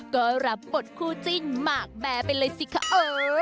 ก็รับบทคู่จิ้นหมากแบร์ไปเลยสิคะเอ้ย